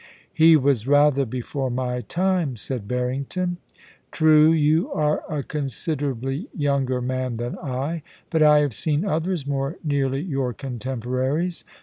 * He was rather before my time,' said Harrington. * True ; you are a considerably younger man than I. But I have seen others more nearly your contemporaries.